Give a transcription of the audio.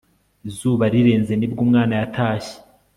izuba rirenze ni bwo umwana yatashye